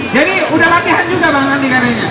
jadi udah latihan juga banget nih karirnya